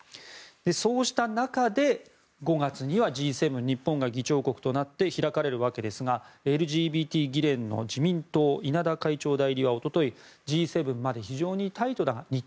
そうした中で５月にはＧ７、日本が議長国となって開かれるわけですがＬＧＢＴ議連の自民党の稲田会長代理は一昨日Ｇ７まで非常に日程がタイトだ。